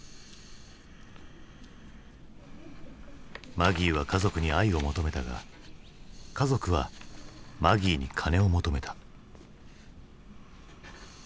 マギーは家族に愛を求めたが家族はマギーに金を求めた。